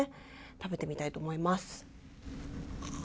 食べてみたいと思います。